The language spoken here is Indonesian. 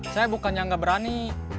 saya bukannya gak berani